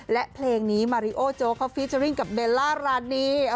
และเพลงนี้มาริโอโจ๊เขาฟีเจอร์ริ่งกับเบลล่ารานี